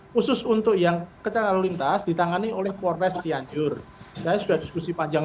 khusus untuk yang kecelakaan lalu lintas ditangani oleh polres cianjur saya sudah diskusi panjang